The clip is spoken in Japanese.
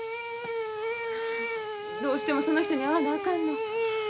どうしてもその人に会わなあかんの？